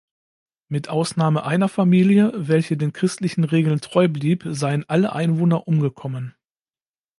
Mit Ausnahme einer Familie, welche den christlichen Regeln treu blieb, seien alle Einwohner umgekommen.